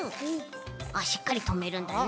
あっしっかりとめるんだね。